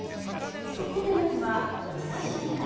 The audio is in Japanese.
そこでまずはお刺身から。